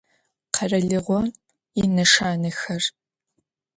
Kheralığom yineşşanexer.